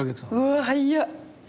うわ早っ。